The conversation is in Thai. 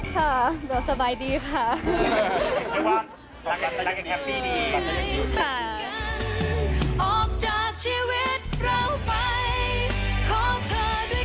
ค่ะเดี๋ยวสบายดีค่ะ